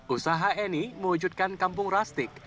usaha ini mewujudkan kampung krastik